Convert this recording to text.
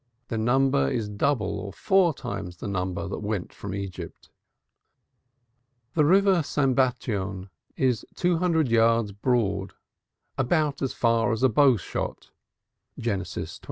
Their number is double or four times the number that went out from Egypt. "The river Sambatyon is 200 yards broad 'about as far as a bowshot' (Gen. xxi.